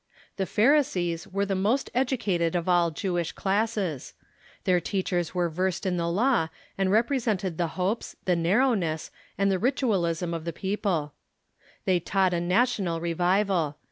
The Pharisees were the most educated of all Jewish classes. Their teachers were versed iu the law, and represented the hopes, the narrowness, and the ritualism of the peo "'''Bodief'*' P'^ They taught a national revival.